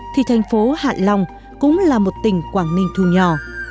thì thành phố hạn long cũng là một tỉnh quảng ninh thu nhỏ